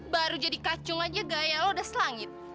baru jadi kacung aja gaya lo udah selangit